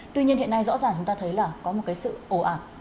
tuy nhiên hiện nay rõ ràng chúng ta thấy là có một cái sự ồ ạt